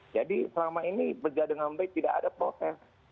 jadi selama ini kerja dengan baik tidak ada proses